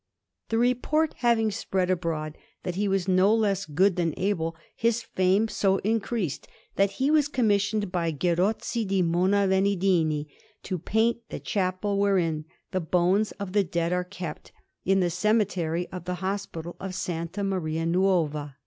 The report having spread abroad that he was no less good than able, his fame so increased that he was commissioned by Gerozzo di Monna Venna Dini to paint the chapel wherein the bones of the dead are kept, in the cemetery of the Hospital of S. Maria Nuova.